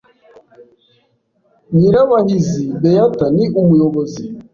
Nyirabahizi Beatha ni umuyobozi,